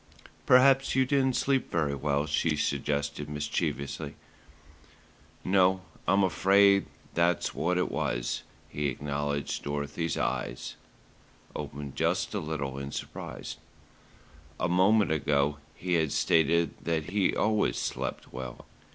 "Perhaps you didn't sleep very well," she suggested mischievously. "No, I'm afraid that's what it was," he acknowledged Dorothy's eyes opened just a little in surprise. A minute ago he had stated that he always slept well.